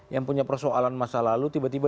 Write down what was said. yang punya persoalan masa lalu tiba tiba